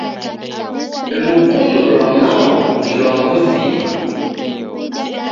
Lukundo lwa mao ni lwa wuzima.